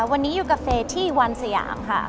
วันนี้อยู่กับเฟย์ที่วันสยามค่ะ